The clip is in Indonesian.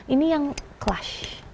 ini yang clash